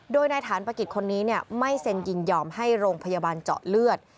โดยนายฐานประกิจคนนี้ไม่เซ็นยินยอมให้โรงพยาบาลเจาะเลือด